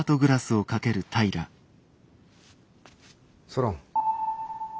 ソロン。